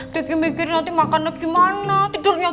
tidurnya gimana tidurnya gimana